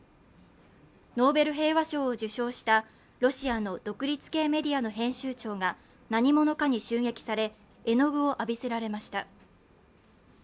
ノーベル平和賞を受賞したロシアの独立系メディアの編集長が何者かに襲撃され、絵の具を浴びせられました。